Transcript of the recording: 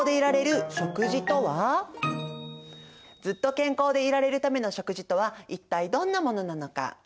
ずっと健康でいられるための食事とは一体どんなものなのか。